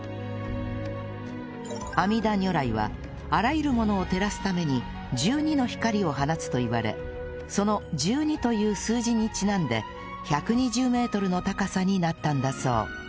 阿弥陀如来はあらゆるものを照らすために１２の光を放つといわれその１２という数字にちなんで１２０メートルの高さになったんだそう